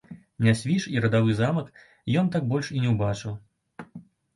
Нясвіж і радавы замак ён так больш і не ўбачыў.